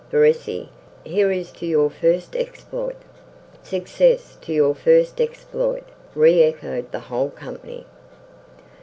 Verezzi, here is to your first exploit." "Success to your first exploit," re echoed the whole company.